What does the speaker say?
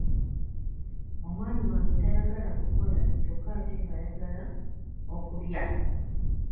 Omwami wange tayagala kukola kyokka ate nga ayagala okulya.